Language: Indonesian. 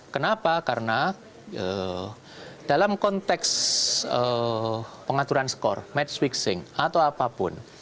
kenapa karena dalam konteks pengaturan skor match fixing atau apapun